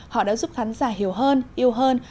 họ đã giúp khán giả hiểu hơn yêu hơn